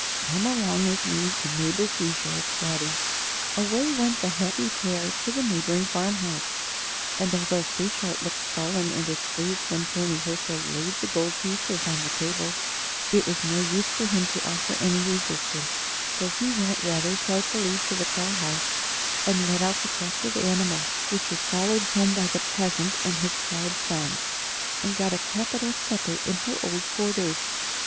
Come along with me to Neighbor Frieshardt's, Watty." Away went the happy pair to the neighboring farm house; and although Frieshardt looked sullen and displeased when Toni Hirzel laid the gold pieces on the table, it was no use for him to offer any resistance; so he went rather sulkily to the cow house, and let out the captive animal, which was followed home by the peasant and his proud son, and got a capital supper in her old quarters.